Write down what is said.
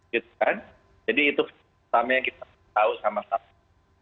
gitu kan jadi itu pertama yang kita tahu sama sama